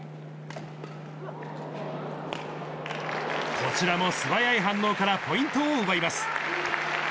こちらも素早い反応からポイントを奪います。